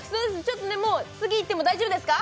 次いっても大丈夫ですか？